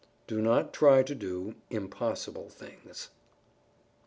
_Do not try to do impossible things.